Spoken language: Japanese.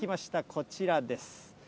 こちらです。